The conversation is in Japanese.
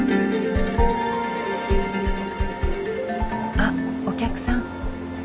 あっお客さん。